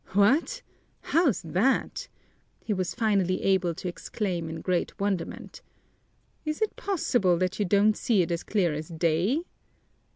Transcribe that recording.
"What? How's that?" he was finally able to exclaim in great wonderment. "Is it possible that you don't see it as clear as day?